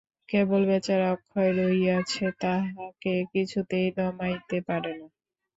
কেবল বেচারা অক্ষয় রহিয়াছে, তাহাকে কিছুতেই দমাইতে পারে না।